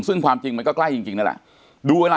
ซึ่งความจริงมันก็ใกล้จริงนั่นแหละดูเวลา